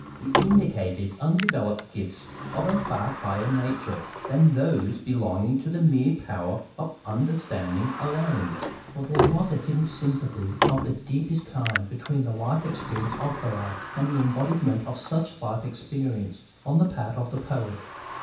It indicated undeveloped gifts of a far higher nature than those belonging to the mere power of understanding alone. For there was a hidden sympathy of the deepest kind between the life experience of the lad, and the embodiment of such life experience on the part of the poet.